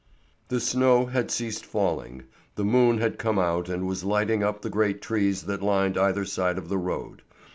The snow had ceased falling, the moon had come out and was lighting up the great trees that lined either side of the road.